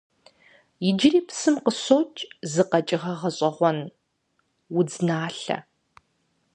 Иджыри псым къыщокӀ зы къэкӀыгъэ гъэщӀэгъуэн - удзналъэ.